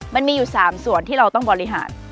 มันมีอยู่๓ส่วนที่เราต้องบริหาร